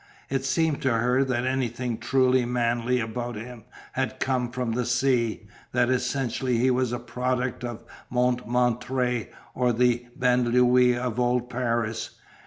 It seemed to her that anything truly manly about him had come from the sea; that essentially he was a product of Mont Martre or the Banlieu of old Paris.